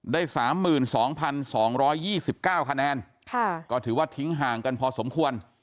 ได้สามหมื่นสองพันสองร้อยยี่สิบเก้าคะแนนค่ะก็ถือว่าทิ้งห่างกันพอสมควร